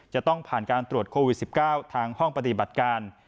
จะต้องผ่านการตรวจโควิด๑๙ทางห้องปฏิบัติการ